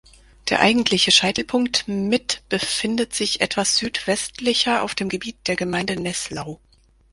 Der eigentliche Scheitelpunkt mit befindet sich etwas südwestlicher auf dem Gebiet der Gemeinde Nesslau.